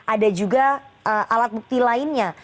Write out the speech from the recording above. ada juga alat bukti lainnya